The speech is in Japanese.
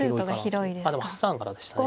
でも８三からでしたね。